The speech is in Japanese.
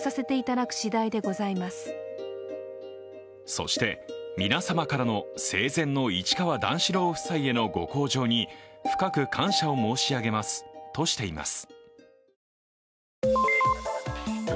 そして、皆様からの生前の市川段四郎さん夫妻へのご厚情に深く感謝を申し上げますとしています。